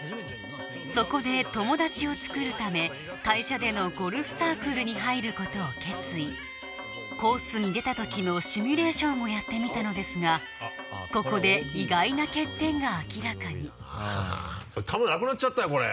そこで友達を作るため会社でのゴルフサークルに入ることを決意コースに出たときのシミュレーションをやってみたのですがここで意外な欠点が明らかに球なくなっちゃったよこれ。